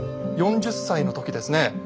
４０歳の時ですね